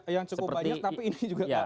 yang cukup banyak tapi ini juga